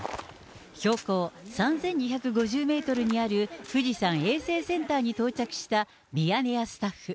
標高３２５０メートルにある富士山衛生センターに到着したミヤネ屋スタッフ。